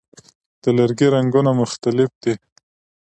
د لرګي رنګونه مختلف دي.